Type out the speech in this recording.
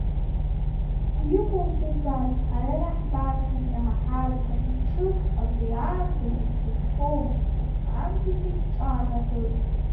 Иҟоуп убас, ҳара иаҳбарҭам, иҳаҳар-ҭам мчык, абри аамҭазы, ԥсы зхоугьы, ԥсы зхамгьы зегь ҿанаҳәоит.